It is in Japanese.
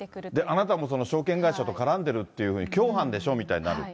あなたが証券会社と絡んでるっていうふうに、共犯でしょ？みたいになる。